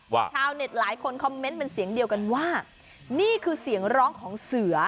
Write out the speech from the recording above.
ชาวเน็ตหลายคนคอมเมนต์เป็นเสียงเดียวกันว่านี่คือเสียงร้องของเสือ